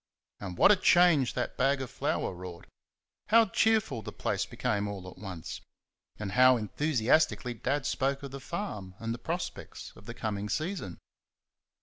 And what a change that bag of flour wrought! How cheerful the place became all at once! And how enthusiastically Dad spoke of the farm and the prospects of the coming season!